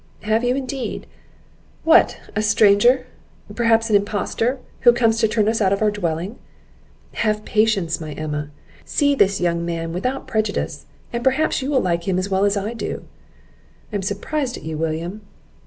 "Have you indeed? What! a stranger, perhaps an impostor, who comes to turn us out of our dwelling?" "Have patience, my Emma! see this young man without prejudice, and perhaps you will like him as well as I do." "I am surprised at you, William."